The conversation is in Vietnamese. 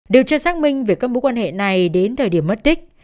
điều tra xác minh về các mối quan hệ này đến thời điểm mất tích